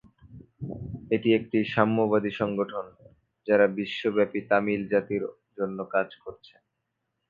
এটি একটি সাম্যবাদী সংগঠন; যারা বিশ্বব্যাপী তামিল জাতির জন্য কাজ করছেন।